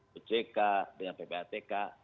dengan ock dengan ppatk